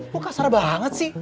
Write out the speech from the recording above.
lo kasar banget sih